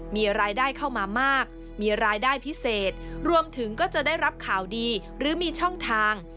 มีรายได้เข้ามามากมีรายได้พิเศษรวมถึงก็จะได้รับข่าวดีหรือมีช่องทาง